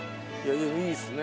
いいですね。